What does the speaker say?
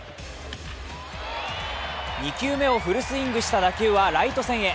２球目をフルスイングした打球はライト線へ。